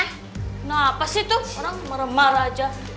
kenapa sih tuh orang meremar aja